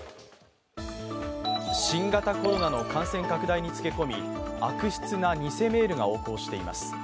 新型コロナの感染拡大につけ込み悪質な偽メールが横行しています。